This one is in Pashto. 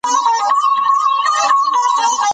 ستوري د هستوي فشار له امله انفجار کوي.